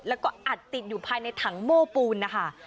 แล้วก็อัดติดอยู่ภายในถังโม้ปูนนะคะ